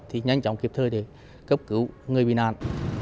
thì nhanh chóng kịp thời để cấp cứu người bị nạn